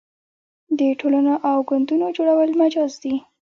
د ټولنو او ګوندونو جوړول مجاز دي.